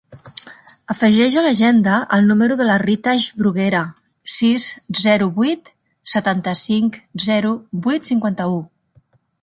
Afegeix a l'agenda el número de la Ritaj Bruguera: sis, zero, vuit, setanta-cinc, zero, vuit, cinquanta-u.